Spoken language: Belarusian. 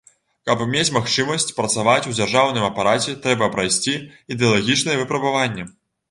Каб мець магчымасць працаваць у дзяржаўным апараце, трэба прайсці ідэалагічныя выпрабаванні.